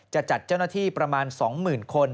จะจัดเจ้าหน้าที่ประมาณ๒๐๐๐คน